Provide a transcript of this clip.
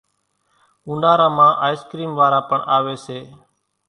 اونارا مان آئيسڪريم وارا پڻ آويَ سي۔